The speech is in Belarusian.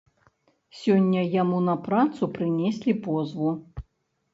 Сёння яму на працу прынеслі позву.